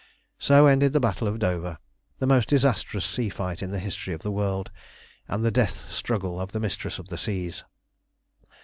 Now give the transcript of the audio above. So ended the battle of Dover, the most disastrous sea fight in the history of the world, and the death struggle of the Mistress of the Seas.